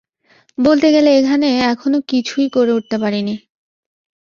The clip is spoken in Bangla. বলতে গেলে এখানে এখনও কিছুই করে উঠতে পারিনি।